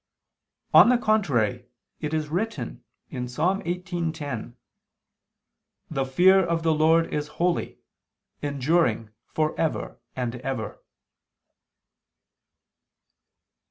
On the contrary, It is written (Ps. 18:10): "The fear of the Lord is holy, enduring for ever and ever."